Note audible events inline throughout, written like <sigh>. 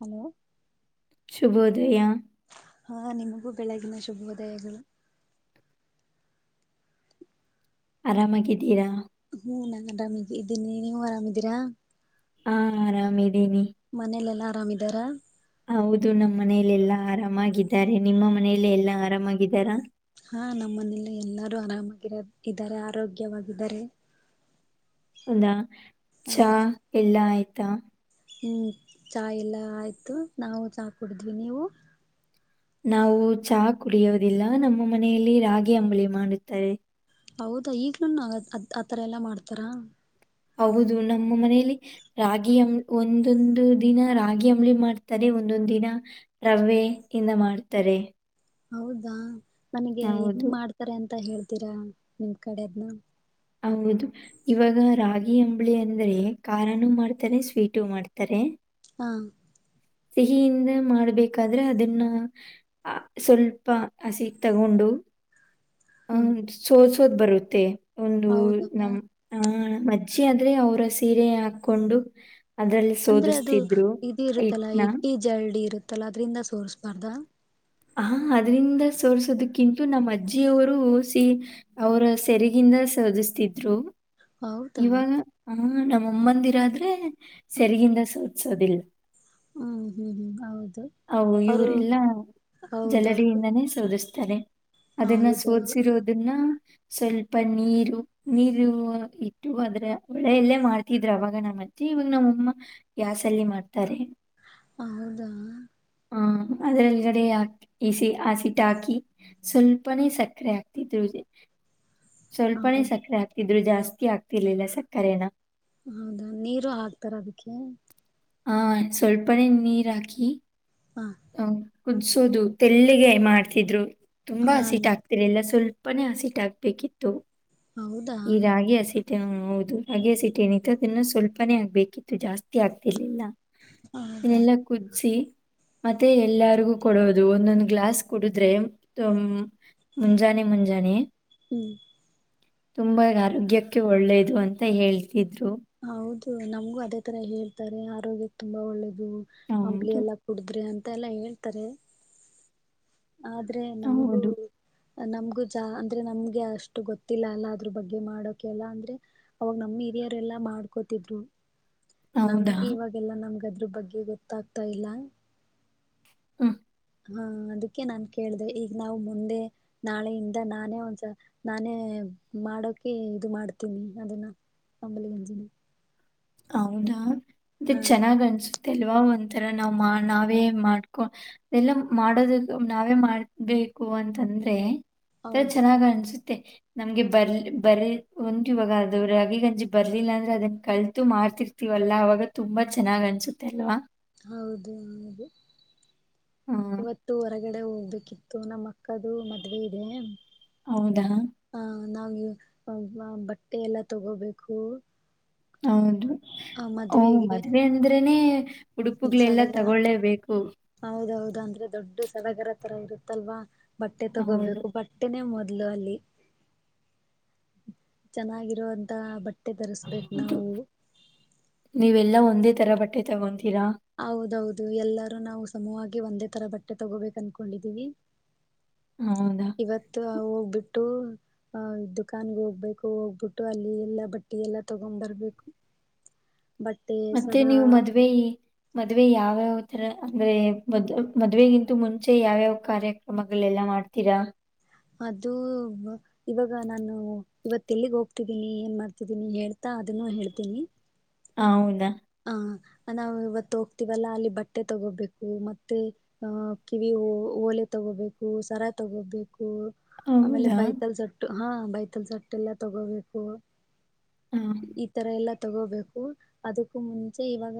Hello, ಶುಭೋದಯ, ಹಾ ನಿಮಗೂ ಬೆಳಗಿನ ಶುಭೋದಯಗಳು, ಆರಾಮಾಗಿದ್ದೀರಾ, ಹ್ಮ ನಾನ್ ಆರಾಮಿಗೆ ಇದೀನಿ. ನೀವು ಆರಾಮಿದೀರಾ, ಹ ಆರಾಮೀದ ಮನೇಲೆೆಲ್ಲಾ ಆರಾಮಿದಾರ, ಹೌದು ನಮ್ಮ್ ಮನೆಲಿ ಎಲ್ಲಾ ಆರಾಮಾಗಿದ್ದಾರೆ. ನಿಮ್ಮ ಮನೇಲ್ಲ ಎಲ್ಲಾ ಆರಾಮಾಗಿದ್ದಾರಾ, ಹಾ ನಮ್ಮ ಮನೇಲ್ಲ ಎಲ್ಲಾರೂ ಆರಾಮಾಗಿರೋ, ಇದ್ದಾರೆ ಆರೋಗ್ಯವಾಗಿದ್ದಾರೆ, ಹೌದಾ ಚಾ ಹೌದು ಎಲ್ಲಾ ಆಯ್ತಾ, ಹ್ಮ್ ಚಹ ಎಲ್ಲ ಆಯ್ತು. ನಾವು ಚಹ ಕುಡಿದ್ವಿ ನೀವು, ನಾವು ಚಹ ಕುಡಿಯೋುದಿಲ್ಲ ನಮ್ಮ ಮನೆಯಲ್ಲಿ ರಾಗಿ ಅಂಬಳಿ ಮಾಡುತ್ತಾರೆ. ಹೌದಾ ಈಗ್ಲೂನು ಅತ್ ಆತರ ಎಲ್ಲಾ ಮಾಡ್ತಾರ. ಹೌದು ನಮ್ಮ ಮನೇಲಿ ರಾಗಿ ಅಂ ಒಂದೊಂದು ದಿನ ರಾಗಿ ಅಂಬಳಿ ಮಾಡ್ತಾರೆ. ಒಂದೊಂದು ದಿನ ರವ್ವೆ ಇಿಂದ ಮಾಡ್ತಾರೆ. ಹೌದಾ ನನಗೆ ಹೆಂಗ್ ಹೌದು ಮಾಡ್ತಾರೆ ಅಂತ ಹೇಳ್ತೀರಾ ನಿಮ್ ಕಡೆ ಅದ್ನ. ಹೌದು ಇವಾಗ ರಾಗಿ ಅಂಬಳಿ ಅಂದ್ರೆ ಖಾರನುೂ ಮಾಡ್ತಾರೆ ಸ್ವೀಟು ಮಾಡ್ತಾರೆ. ಹಾ. ಸಿಹಿಯಿಂದ ಮಾಡ್ಬೇಕಾದ್ರೆ ಅದನ್ನ ಅ ಸ್ವಲ್ಪ ಹಸಿ ತಗೊಂಡು. ಹ ಹ್ಮ್ ಸೋದ್ ಸೋದ ಬರುತ್ತೆ ಒಂದು ಹೌದಾ ನಮ್ಮ್ ಹಾ. ಚ್ಚಿ ಆದ್ರೆ ಅವರ ಸೀರೆ ಹಾಕೊಂಡು. ಅದರಲ್ಲಿ ಅಂದ್ರೆ ಅದು ಸೋದಿಸ್ತಿದ್ರು ಇದು ಇರುತ್ತಲ್ಲಾ ಹಿಟ್ನ ಇಟ್ಟಿ ಜರಳ್ಳಿ ಇರುತ್ತಲ್ಲಾ ಅದ್ರಿಂದ ಸೋಸ್ಬಾರ್ದ. ಹಾ ಅದ್ರಿಂದ ಸೋಸೋದಕ್ಕಿಂತು ನಮ್ಮ ಅಜ್ಜಿಯವರು ಸಿ ಅವರ ಸೆರೆಗಿಂದ. ಸೋಧಿಸ್ತಿದ್ರು. ಹೌದಾ ಇವಾಗ ಹ ನಮ್ಮಮ್ಮಂದಿರಾದ್ರೆ ಸೆರಿಗಿಂದ ಸೋದಸೋದಿಲ್ಲ. ಹ್ಮ್ ಹ್ಮ್ ಹ್ಮ್ ಹೌದು. ಅ ಅವರು ಇವರೆಲ್ಲಾ ಹೌದೌದು ಜಲಡೆಯಿಂದಾನೇ ಸೋಧಿಸ್ತಾ. ತಾರೇ ಅದನ್ನ ಹೌದೌದು ಸೋದಸಿರೋದನ್ನ. ಸ್ವಲ್ಪ ನೀರು ನೀರು ಇಟ್ಟು ಅದ್ರ ಒಳೆಯಲ್ಲೇ ಮಾಡ್ತಿದ್ರು ಅವಾಗ ನಮ್ಮ ಮತ್ತೆ ಇವಾಗ ನಮ್ಮಮ್ಮ ಗ್ಯಾಸ್ ಅಲ್ಲಿ ಮಾಡ್ತಾರೆ. ಹೌದಾ. ಹ್ಮ ಅದಲ್ಲಿಗಡೆ ಹಿ ಈಸ ಆ ಸಿಟ್ ಹಾಕಿ. ಸ್ವಲ್ಪನೇ ಸಕ್ಕರೆ ಆಗ್ತಿದ್ರು. ಸ್ವಲ್ಪನೇ ಹೌದು ಸಕ್ಕರೆ ಆಕ್ತಿದ್ರು ಜಾಸ್ತಿ ಆಗ್ತಿರ್ಲಿಲ್ಲ ಸಕ್ಕರೆೇನ. ಹೌದಾ ನೀರು ಹಾಕ್ತಾರ ಅದಕ್ಕೆ. ಹಾ ಸ್ವಲ್ಪನೆೇ ನೀರ್ ಹಾಕಿ. ಹಾ. ಕುದಸೋದು ತೆಲ್ಲಿಗೆ ಮಾಡ್ತಿದ್ರು ತುಂಬಾ ಹಾ ಹಸಿಟ್ ಆಗ್ತಿಲ್ಲ ಎಲ್ಲ ಸ್ವಲ್ ಪನೆ ಹಸಿಟ ಹಾಕಬೇಕಿತ್ತು. ಹೌದಾ. ಹೌದು ರಾಗೇ ಸಿಟ ಏನಿತ್ತು ಅದನ್ನ ಸ್ವಲ್ಪನೇ ಆಗ್ಬೇಕಿತ್ತು ಜಾಸ್ತಿ ಆಗ್ತಿರ್ಲಿಲ್ಲ. ಹೌದಾ ಇನ್ನೆಲ್ಲಾ ಕುದಿಸಿ. ಮತ್ತೆ ಎಲ್ಲರಿಗೂ ಕೊಡೋದು ಒಂದೊಂದ್ ಗ್ಲಾಸ್ ಕುಡಿದ್ರೆ ಹ್ಮ್. ಮುಂಜಾನೆ ಮುಂಜಾನೆ. ಹ್ಮ್ ತುಂಬ ಆರೋಗ್ಯಕ್ಕೆ ಒಳ್ಳೇದು ಅಂತ ಹೇಳ್ತಿದ್ರು. ಹೌದು ನಮಗೂ ಅದೇ ತರ ಹೇಳ್ತಾರೆ ಆರೋಗ್ಯಕ್ಕೆ ತುಂಬಾ ಒಳ್ಳೇದು ಅಂಬಳ ಹೌದು ಎಲ್ಲ ಕುಡಿದ್ರೆ ಅಂತ. ಮತ್ತ ಎಲ್ಲ ಹೇಳ್ತಾರೆ. ಆದ್ರೆ ನಮಗೂ. ಹೌದು ನಮ್ಗು ಜಾ ಅಂದ್ರೆ ನಮ್ಗೆ ಅಷ್ಟು ಗೊತ್ತಿಲ್ಲ ಅಲ್ಲ ಅದ್ರ ಬಗ್ಗೆ ಮಾಡೋಕ ಎಲ್ಲ ಅಂದ್ರೆ ಅವಾಗ ನಮ ಹಿರಿಯರ್ ಎಲ್ಲ ಮಾಡ್ಕೋತಿದ್ರು. ಹೌದಾ ನಮ್ಗೆ ಇವಾಗೆಲ್ಲಾ ನಮ್ಗದ್ರ ಬಗ್ಗೆ ಗೊತ್ತಾಗ್ತಾ ಇಲ್ಲ. ಹ. ಹಾ ಅದ ಕೆ ನಾ ಕೇಳಿದೆ ಈಗ ನಾವು ಮುಂದೆ ನಾಳೆಯಿಂದ ನಾನೇ ಒಂದಸ ನಾನೇ ಮಾಡ ಡೋಕೆ ಇದು ಮಾಡ್ತೀನಿ ಅದನ್ನ ಅಂಬಲಿ ಗಂಜಿನ. ಹೌದಾ ಅ ಹಾ ಚೆನ್ನಾಗ ಅನ್ಸು ಲ್ವಾ ಒಂಥರ ನಾವ್ ನಾವೇ ಮಾಡ್ಕೊ ಅದೆಲ್ಲ ಮಾಡೋದ ನಾವೇ ಮಾಡಬೇಕ. ಬೇಕು ಅಂತಂದ್ರೆ ಹೌದು ಚೆನ್ನಾಗ್ ಅನ್ಸುತ್ ತ್ತೆ ನಮ್ಗೆ ಬರ್ ಬರ್ ಒಂ ಇವಾಗ ಅದು ರಾಗಿ ಗಂಜಿ ಬರ್ಲಿಲ್ಲ ಅಂದ್ರೆ ಅದನ್ನ ಕ ಮಾಡ್ತಿರ್ತಿೀವಲ್ಲಾ ಅವವಾಗ ತುಂಬಾ ಚೆನ್ನ್ ಅನ್ಸುತ್ತೆ ಅಲ್ವಾ. ಹೌದು ಹೌದು ಹ್ಮ್. ಇವತ್ತು ಹೊರಗಡೆ ಹೋಗ್ಬೇಕಿತ್ತು ನಮ್ಮಅ ಕ್ಕದು ಮದ್ವೆ ಇದೆ ಹೌದಾ? ಹಾ ನಾಗೆ ಬಟ್ಟೆ ಎಲ್ಲಾ ತಗೋಬೇಕು ಹೌದು ಆ ಅವಳ್ ಮದ್ವೆ ಅಂದ್ರೇನೆ ಉಡುಪುಗಳೆಲ್ಲ ಜಾತ್ರೆತರಾ ತಗೊಳ್ಳೇಬೇಕು. ಹೌದೌದು ಅಂದ್ರೆ ದೊಡ್ಡ ಸಡಗರ ತರ ಇರುತ್ತಲ್ವಾ ಬಟ್ಟೆ ಹೌದು. ತಗೋಬೇಕು ಬಟ್ಟೆನೇ ಮೊದ ದ್ಲು ಅಲ್ಲಿ ಚೆನ್ನಾಗಿರುವಂತ ಬಟ್ಟ ದು ನೀವೆಲ್ಲಾ ಒಂದೇ ತರ ಬಟ್ಟೆ ತಗೊಂತಿ ಹೌದು ದೌದು ಎಲ್ಲರೂ ನಾವು ಸಮವಾಗಿ ಒಂದೇ ತರ ಬಟ್ಟೆ ತಗೋಬೇಕು ಅನ್ಕೊಂಡಿದ್ದೀವಿ ಹೌದಾ? ಇವತ್ತು ಹೋಗ್ಬಿಟ್ಟ <inaudible> ಅ ದುಖಾನಗೆ ಹೋಗ್ಬೇಕು ಹೋಗ್ಬಿಟ್ಟು ಅಲ್ಲಿ ಎಲ್ಲಾ ಬಟ್ಟೆ ಎಲ್ಲ ತಗೊಂಡ್ ಬರ್ಬೇಕು <inaudible> ಬಟ್ಟೆ ಮತ್ತೆ ಸರ ನೀವು ಮದ್ವೆ ಮದ್ವೆ ಯಾವ್ಯಾವ ರ ಅಂದ್ರೆ ಮದ್ಲು ಮದ್ವೆಗಿಂತ ಮುಂಚೆ ಯಾವಯಾವ ಕಾರ್ಯಕ್ರಮಗಳೆಲ್ಲ ಮಾಡ್ತೀರಾ ಅದು ಇವಾಗ ನಾನು ಇವತ್ ಎಲ್ಲಿಗ ಹೋಗ್ತಿದ್ದೀನಿ ಏನ ಮಾಡ್ತಿದ್ದೀನಿ ಹೇಳ್ತಾ ಅದನ್ನು ಹೇಳ್ತೀನಿ ಹೌದಾ ಹಾ ನಾವು ಇವತ್ತು ಹೋಗ್ತಿವಲ್ಲಾ ಅಲ್ಲಿ ಬಟ್ಟೆ ತಗೋಬೇಕು ಮತ್ತೆ ಅ ಕಿವಿ ಓ ಓಲೆ ತಗೋಬೇಕು ಸರ ತಗೋಬೇಕು ಕು ಆಮೇಲೆ ಹೌದಾ ಬೈತಲ್ ಸಟ್ಟು ಹಾ ಬೈತಲ್ ಸಟ್ಟ ಎಲ್ಲಾ ತಗೋಬೇಕು ಆ, ಈ ತರಾ ಎಲ್ಲ ತಗೋಬೇಕು ಅದ ಮುಂಚೆ ಇವಾಗ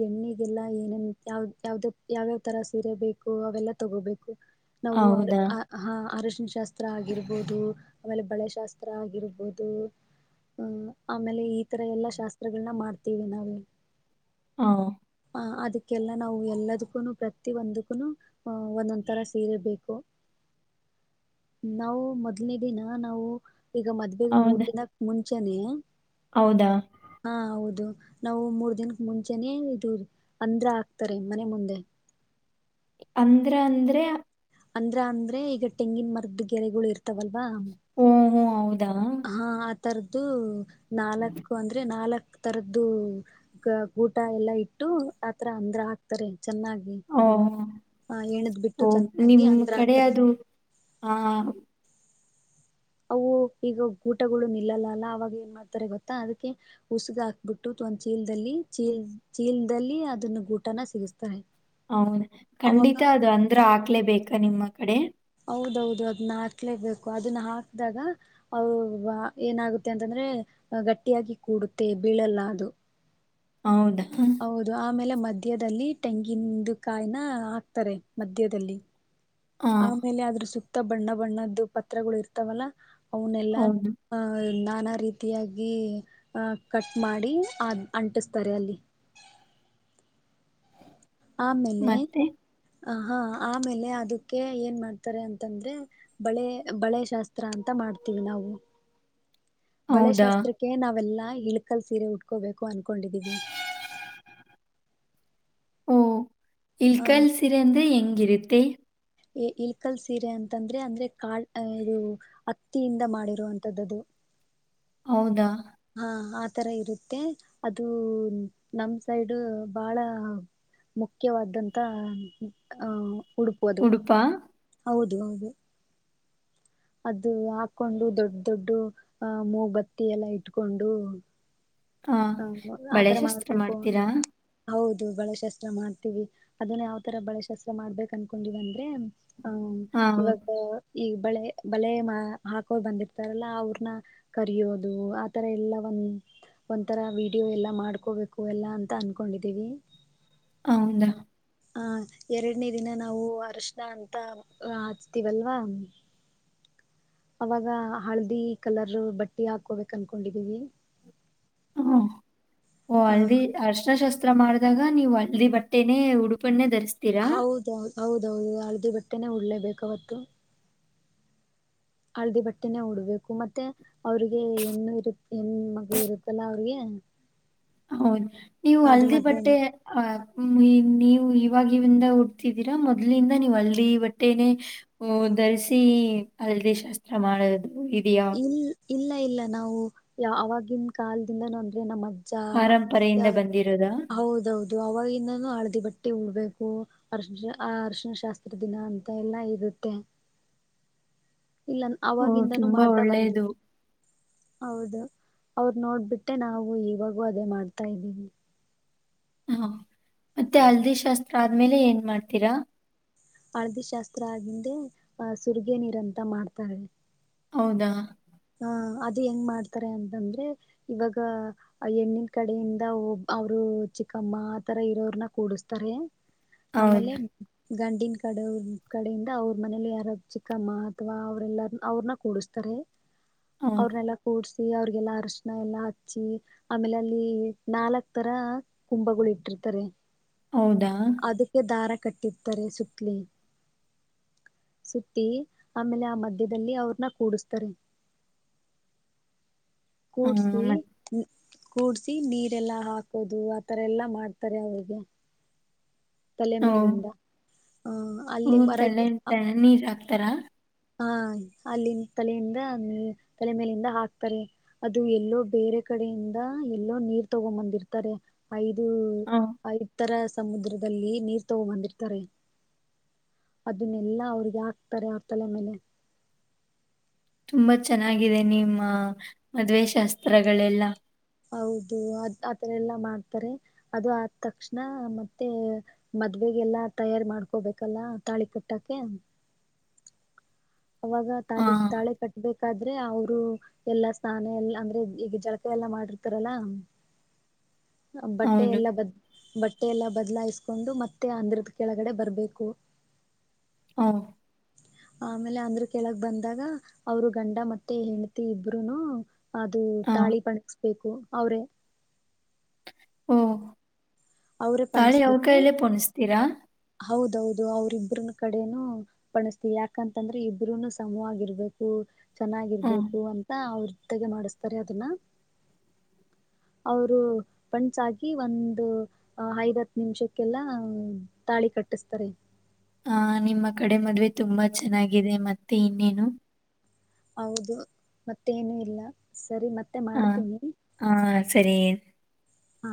ಹೆಣ್ಣಿಗೆಲ್ಲಾ ಏನ ಯವ ಯಾವ ಯಾವ್ಯಾವ ತರ ಸೀರೆ ಬೇಕು ಎಲ್ಲಾ ತಗೋಬೇಕು ನಾವು ಹೌದಾ ಹ ಅ ಅರಶಿನ ಶಾಸ್ತ್ರ ಆಗಿರ್ಬೋದು ಆಮೇಲೆ ಬಳೆಶಾಸ್ತ್ರ ಆಗಿರಬಹುದು ಹು ಆಮೇಲೆ ಈ ತರ ಎಲ್ಲಾ ಶಾಸ್ತ್ರಗಳನ್ನ ಮಾಡ್ತೇವಿ ನಾವು ಹಾ ಅದಕ್ಕೆಲ್ಲ ನಾವು ಎಲ್ಲದಕ್ಕೂನು ಪ್ರತಿ ಒಂದಕ್ಕೂ ಒಂದೊಂದಥರಾ ಸೀರೆ ಬೇಕು ನಾವು ಮೊದಲನೇ ದಿನಾ ನಾವು ಈಗ ಮದ್ವೇಗ ಮೂರ್ ಹೌದಾ ದಿನಕ್ಕ ಮುಂಚೆನೇ ಹೌದಾ ಹಾ ಹೌದು ನಾವು ಮೂರ್ ದಿನಕ ಮುಂಚೆನೆ ಇದು ಹಂದ್ರಾ ಹಾಕ್ತಾರೆ ಮನೆ ಮುಂದೆ ಹಂದ್ರಾ ಅಂದ್ರೆ ಹಂದ್ರಾ ಅಂದ್ರೆ ಈಗ ತೆಂಗಿನ ಮರದ್ದ ಗೆರೆಗಳು ಇರ್ತಾವಲ್ವಾ ಓ ಹೋ, ಹೌದಾ ಹಾ ಆಥರದ್ದು ನಾಲ್ಕು ಅಂದ್ರೆ ನಾಲ್ಕ್ ತರದ್ದು ಗ ಗೂಟ ಎಲ್ಲಾ ಇಟ್ಟು ಆತರಾ ಹಂದ್ರಾ ಹಾಕ್ತಾರೆ ಚೆನ್ನಾಗಿ ಓ ಅದನ್ನ ಆ ಹೆನಬಿಟ್ಟು ಓ ಚೆನ್ನಾಗಿ ಹಂದ್ರಾ ಹಾಕ್ತಾರೆ ಹಾಆ ಅವು ಈಗ ಗೂಟಗಳು ನಿಲ್ಲಲ್ಲ ಅವಾಗ ಏನ್ ಮಾಡ್ತಾರೆ ಗೊತ್ತಾ ಅದಕ್ಕೆ ಉಸುಕು ಹಾಕ್ಬಿಟ್ಟು ಒಂದ್ ಚೀಲದಲ್ಲಿ ಚೀಲ್ ಚೀಲ್ದಲ್ಲಿ ಅದನ್ನ ಗೂಟನಾ ಸಿಗತ ಹೌದ ಖಂಡಿತಾ ಅದು ಹಂದ್ರಾ ಹಾಕ್ಲೇ ಬೇಕಾ ನಿಮ್ಮ ಕಡೆ ಹೌದು ದೌದು ಅದನ್ನ ಹಾಕ್ಲೇಬೇಕು ಅದನ್ನ ಹಾಕದಾಗ ಅವ್ವಾ ಏನಾಗುತ್ತೆ ಅಂತಂದ್ರೆ ದ್ರೆ ಗಟ್ಟಿಯಾಗಿ ಕೂಡುತ್ತೆ ಬೀಳಲ್ಲ ಅದು ಹೌದಾ ಹೌದು ಆಮೇಲೆ ಮದ್ ಮಧ್ಯದಲ್ಲಿ ತೆಂಗಿಂದು ಕಾಯಿನಾ ಹಾಕ್ತಾರೆ ಮಧ್ಯದಲ್ಲಿ ಆ ಆಮೇಲೆ ಆದ್ರೂ ಸೂಕ್ತ ಬಣ್ಣ ಬಣ್ಣದ್ದು ಪತ್ರಗಳು ಇರ್ತಾವಲ್ಲಾ ಅವನೆಲ್ಲಾ ಹೌದು ಅ ನಾನಾ ರೀತಿ ರಿತಿಯಾಗಿ ಕಟ್ಟ್ ಮಾಡಿ ಅ ಅಂಟಸ್ತಾರೆ ಅಲ್ಲಿ <inaudible> ಆಮೇಲೆ ಮತ್ತೆ ಆ ಹಾ ಆಮೇಲೆ ಅದಕ್ಕೆ ಏನ್ ಮಾಡ್ತಾರೆ ಅಂತಂದ್ರೆ ಬಳೆ ಬಳೆ ಶಾಸ್ತ್ರ ಅಂತ ಮಾ ಮಾಡ್ತೀವಿ ನಾವು <inaudible> ಹೌದಾ ಬಳೆಶಾಸ್ತ್ರಕ್ಕೆ ನಾವೆಲ್ಲಾ ಇಳ್ಕಲ್ ಸೀರೆ ಉಟ್ಕೋಬೇಕು ಅನ್ಕೊಂಡಿದ್ದೀವಿ. ಓ ಇಲ್ಕಲ್ ಸೀರೆ ಅಂದ್ರೆ ಹೆಂಗಿರತ್ತೇ ಇ ಇಲ್ಕಲ್ ಸೀರೆ ಅಂತಂದ್ರೆ ಅಂದ್ರೆ ಕಾಡ್ ಇದು ಅತ್ತಿಯಿಂದ ಮಾಡಿರುವಂತದ್ದದು. ಹೌದಾ ಹಾ ಆ ತರ ಇರುತ್ತೆ ಅದು ನಮ್ ಸೈಡ್ ಬಹಳ ಮುಖ್ಯವಾದ್ದಂತ ಆ ಉಡುಪು ಅದು ಉಡುಪಾ ಹೌದು ಹೌದು. ಅದು ಹಾಕೊಂಡು ದೊಡ್ಡ ದೊಡ್ಡ ಅಹ ಮೂ ಬತ್ತಿ ಎಲ್ಲ ಇಟ್ಕೊಂಡು ಹಾ ಹ ಬಳೆ ಆತರ ಶಾಸ್ತ್ರ ಮಾಡ್ಬೇಕು ಮಾಡ್ತೀರಾ ಹೌ ದು ಬಳೆಶಾಸ್ತ್ರ ಮಾಡ್ತೀವಿ ಅದನ್ನ ಯಾವ್ ತರ ಬಳೆ ಶಾಸ್ತ್ರ ಮಾಡ್ಬೇಕು ಅನ್ಕೊಂಡಿವಂದ್ರೆ ಹ್ಮ ಹಾ ಇವಾಗ ಈಗ ಬಳೆ ಬಳೆ ಹಾಕೋ ಬಂದಿರ್ತಾರಲ್ಲಾ ಅವ್ರನ್ನ ಕರಿಯೋದು ಆತರ ಎಲ್ಲ ಒಂಥರ ವೀಡಿಯೋ ಎಲ್ಲ ಮಾಡ್ಕೋಬೇಕು ಎಲ್ಲ ಅಂತ ಅನ್ಕೊಂಡಿದ್ದೀವಿ. ಹೌದಾ ಹ ಎರಡನೇ ದಿನ ನಾವು ಅರಶನಾ ಅಂತ ಹಚ್ತೀವಲ್ವಾ ಅವಾಗ ಹಳದಿ ಕಲರ್ ಬಟ್ಟಿ ಹಾಕೋಬೇಕ ಅನ್ಕೊಂಡಿದೀವಿ. ಹ ಓ ಆ ಹಲ್ದೀ ಅರ್ಷ್ಣಾ ಶಾಸ್ತ್ರ ಸ್ತ್ರ ಮಾಡಿದಾಗ ನೀವು ಅಲ್ಲಿ ಬಟ್ಟೆನೇ ಉಡುಪನ್ನೇ ಧರಿ ಹೌದೌ ಹೌದೌದು ಹಳದಿ ಬಟ್ಟೆನೆೇ ಉಡ್ಲೇಬೇಕ್ ಅವತ್ತು. ಹಳದಿ ಬಟ್ಟೆನೇ ಉಡ್ಬೇಕು ಮತ್ತೆ ಅವ್ರಿಗೆ ಹೆಣ್ಣು ಇರು ಹೆಣ್ಮಗ್ಳ ಇರುತ್ತಲ್ಲಾ ಅವ್ರಿಗೆ ಹ್ಮ ಹೌದ್ ನೀವು ಹಲ್ದಿ ಬಟ್ಟೆ ಅ ನಿ ನೀ ವು ಇವಾಗಿಂದ ಉಡ್ತಿದ್ದೀರಾ ಮೊದ್ಲ್ನಿಂದ ನೀವು ಹಳ್ದೀ ಬಟ್ಟೆನೆೇ ಧರಿಸಿ ಹಳ್ದಿ ಶಾಸ್ತ್ರ ಮಾಡೋದು ಇದೆಯಾ. ಇಲ್ ಇಲ್ಲ ಇಲ್ಲ ನಾವು ಯ ಆವಾಗಿನ ಕಾಲದಿಂದಾನೂ ಅಂದ್ರೆ ನಮ್ಮ ಜ್ಜ ಪರಂಪರೆಯಿಂದ ಬಂದಿರೋದಾ ಹೌದೌದು ಅವಾಗಿಂದಾನೂ ಹಳ್ದಿ ಬಟ್ ಟ್ಟೆ ಉಡ್ಬೇಕು ಅರ್ಶ ಆ ಅರ್ಶಿನ ಶಾಸ್ತ್ರ ದಿನ ಅಂತ ಎಲ್ಲ ಇರುತ್ತೆ. <inaudible> ಇಲ್ಲ ಓ ಅವಾಗಿಂದನೂ ತುಂಬಾ ಮಾಡ್ತಾ ಒಳ್ಳೆಯದು ಬಂದಿದ್ರ ಹೌದು ಅವರ್ನೋಡ್ಬಿಟ್ಟೆ ನಾವು ಇವಾಗೂ ಅದೇ ಮಾಡ್ತಾ ಇದ್ದೀವಿ. ಹಾ ಮತ್ತೆ ಹಲ್ದಿ ಶಾಸ್ತ್ರ ಆದ್ಮೇಲೆ ಏನ್ ಮಾಡ್ತೀರಾ. ಹಳದಿಶಾಸ್ತ್ರ ಆಗಿಂದೆ ಆಹ ಸುರ್ಗೆ ನೀರ ಅಂತ ಮಾಡ್ತಾರೆ. ಹೌದಾ ಹ ಅದು ಹೆಂಗ್ ಮಾಡ್ತಾರೆ ಅಂತಂದ್ರೆ ಇವಾಗ ಹೆಣ್ಣಿನ ಕಡೆಯಿಂದ ಅವರು ಚಿಕ್ಕಮ್ಮ ಆತರ ಇರೋರನ್ನ ಕೂಡಸ್ತಾರೆ ಆಮೇಲೆ ಹೌದು ಗಂಡಿನ ಕಡೆ ಕಡೆಯಿಂದ ಅವ್ರ ಮನೇಲಿ ಯಾರ ಚಿಕ್ಕಮ್ಮ ಅಥವಾ ಅವರೆಲ್ಲರ ಅವ್ರನ್ನ ಕೂಡಸ್ತಾರೆ. ಹೌದು ಅವ್ರನ್ನೆಲ್ಲ ಕೂಡ್ಸ್ ಅವ್ರಿಗೆಲ್ಲಾ ಅರ್ಶಣ ಎಲ್ಲಾ ಹಚ್ಚಿ ಆಮೇಲೆ ಅಲ್ಲಿ ನಾಲ್ಕ್ ತರ ಕುಂಭಗಳು ಇಟ್ಟಿರ್ ತಾರೆ ಹೌದಾ? ಅದಕ್ಕೆ ದಾರ ಕಟ್ಟಿರ್ತಾರೆ ಸುತ್ತ್ಲಿ. ಸುತ್ತಿ ಆಮೇಲೆ ಆ ಮಧ್ಯದಲ್ಲಿ ಅವ್ರನ್ನ ಕೂಡಸ್ತಾರೆ. ಆ ಕೂಡ್ಸಿ ಮತ್ ಕೂಡ್ಸಿ ನೀರೆಲ್ಲಾ ಹಾಕೋದು ಆತರ ಎಲ್ಲಾ ಮಾಡ್ತಾರೆ ಅವ್ರಗೆ. ತಲೆ ಓ ಮೇಲಿಂದ ಹ ಅಲ್ಲಿ ಹೊರಗೆ ಉತ್ತರ ಹಾ ಅಲ್ಲಿಂದ ತಲೆಯಿಂದ ತಲೆ ಮೇಲಿಂದ ಹಾಕ್ತಾರೆ ಅದು ಎಲ್ಲೋ ಬೇರೆ ಕಡೆಯಿಂದ ಎಲ್ಲೋ ನೀರ್ ತಗೊಂಡ್ ಬಂದಿರ್ತಾರೆ ಐದು ಆ ಐದ್ ತರ ಸಮುದ್ರದಲ್ಲಿ ನೀರ್ ತಗೋ ಬಂದಿರ್ತಾರೆ ಅದನ್ನೆಲ್ಲಾ ಅವಿಗೆ ಹಾಕ್ತಾರೆ ಆ ತಲ ಮೇಲೆ ತುಂಬಾ ಚೆನ್ನಾಗಿದೆ ನಿಮ್ಮ ಮದ್ವೆೆ ಶಾಸ್ತ್ರಗಳೆಲ್ಲ ಹೌದು ಅದ್ ಆತರ ಎಲ್ಲಾ ಮಾಡ್ತಾರೆ ಅದು ಆದ ತಕ್ಷಣ ಮತ್ತೆ ಮದ್ ಹೇಗೆಲ್ಲಾ ತಯಾರಿು ಮಾಡ್ಕೋಬೇಕಲ್ಲ ತಾಳಿ ಕಟ್ಟಕೆ <inaudible> ಅವಾಗ ಆ ತಾಲಿ ತಾಳೆ ಕಟ್ಬೇಕಾದ್ರೆ ಅವರು ಎಲ್ಲಾ ಸ್ನಾನ ಎಲ್ಲ ಅಂದ್ರೆ ಈಗ ಜಳಕಾಯ ಎಲ್ಲ ಮಾಡಿರ್ತಾರಲ್ಲಾ <inaudible> ಬಟ್ಟೆ ಹೌದು. ಎಲ್ಲ ಬದ ಬಟ್ಟೆ ಎಲ್ಲಾ ಬದ್ಲಾಯಸ್ಕೊಂಡು ಮತ್ತೆ ಅಂದ್ರದ ಕೆಳಗಡೆ ಬರ್ಬೇಕು ಹಾ ಆಮೇಲೆ ಅಂದ್ರ ಕೆಳಗ್ ಬಂದಾಗ ಅವರು ಗಂಡ ಮತ್ತೆ ಹೆಂಡತಿ ಇಬ್ರುೂನು ಅದು ಆ ತಾಳಿ ಬಣಸ್ಬೇಕು ಅವ್ರೇ ಓ ಅವ್ರೇ ತಾಳಿ ಅವ್ರ ಪಣಸ್ಬಿಟ್ಟು ಕೈಲ್ಲೇ ಪಣಿಸತೀರಾ ಹೌದೌದು ಅವ್ರಬ್ನ ಕಡೆನೂ ಪಣಸ್ಥಿವಿ ಯಾಕಂತಂದ್ರೆ ಇಬ್ರೂನು ಸಮವಾಗಿರ್ಬೇಕು ಹ್ಮ್. ಚೆನ್ನಾಗಿರ್ಬೇಕು ಅಂತ ಅವ್ರ್ದಾಗ ಮಾಡಿಸತಾರೆ ಅದನ್ನ ಹ್ಮ್ಮ್. ಅವರು ಪಂಚಕಿ ಒಂದು ಐವಾತ್ ನಿಮಿಷಕ್ಕೆಲ್ಲ ತಾಳಿ ಕಟ್ಟಿಸ್ತಾರೆ ಹ ನಿಮ್ಮ ಕಡೆ ಮದ್ವೆ ತುಂಬಾ ಚೆನ್ನಾಗಿದೆ ಮತ್ತೆ ಇನ್ನೇನು ಹೌದು ಮತ್ತೇನು ಇಲ್ಲ ಸರಿ ಮತ್ತೆ ಆ ಮಾಡ್ತೀನಿ ಆ ಸರಿ ಹಾ